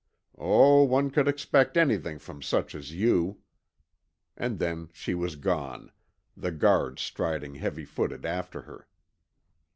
Oh, one could expect anything from such as you!" And then she was gone, the guard striding heavy footed after her.